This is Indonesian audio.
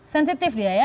sensitif dia ya